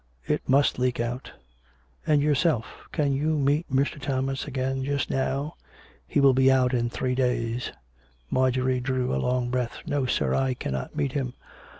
" It must leak out." "And yourself? Can you meet Mr. Thomas again just now? He will be out in three days." Marjorie drew a long breath. " No, sir ; I cannot meet him.